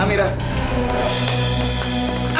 lalu mencari hati saya